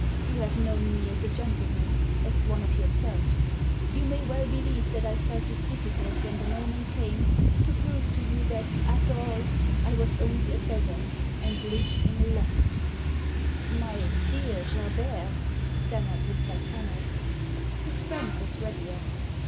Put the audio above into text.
You have known me as a gentleman, as one of yourselves. You may well believe that I felt it difficult when the moment came to prove to you that, after all, I was only a beggar and lived in a loft" " My dear Gerbert !" stammered Mr. Kennard. His friend was readier.